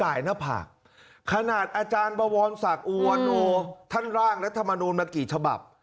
หน้าผากขนาดอาจารย์บวรศักดิ์อุวโนท่านร่างรัฐมนูลมากี่ฉบับ